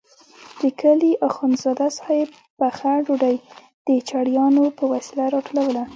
د کلي اخندزاده صاحب پخه ډوډۍ د چړیانو په وسیله راټولوله.